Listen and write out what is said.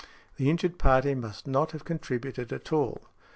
The injured party must not have contributed at all."